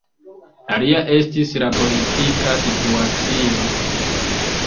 Alia estis la politika situacio.